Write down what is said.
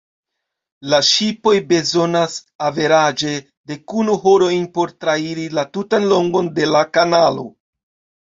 La ŝipoj bezonas averaĝe dekunu horojn por trairi la tutan longon de la kanalo.